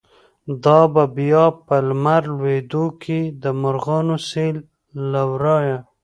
دابه بیا په لمر لویدوکی، دمرغانو سیل له ورایه”